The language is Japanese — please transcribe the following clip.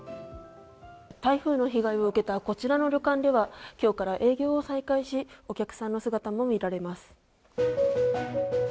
台風の被害を受けたこちらの旅館では今日から営業を再開しお客さんの姿も見られます。